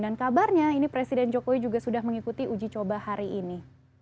dan kabarnya ini presiden joko widodo juga sudah mengikuti uji coba hari ini